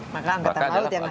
maka angkatan laut ya harus